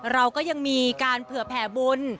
เราก็ยังมีการเผื่อแผ่บุญ